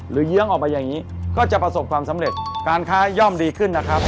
เยื้องออกไปอย่างนี้ก็จะประสบความสำเร็จการค้าย่อมดีขึ้นนะครับ